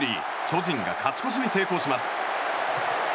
巨人が勝ち越しに成功します。